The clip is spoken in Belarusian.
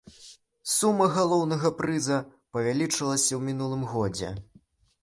Сума галоўнага прыза павялічылася ў мінулым годзе.